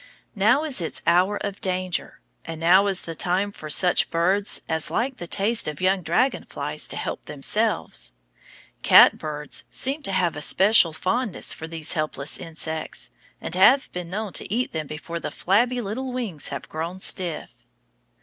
Now is its hour of danger, and now is the time for such birds as like the taste of young dragon flies to help themselves. Catbirds seem to have a special fondness for these helpless insects, and have been known to eat them before the flabby little wings had grown stiff.